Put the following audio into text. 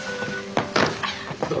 どう？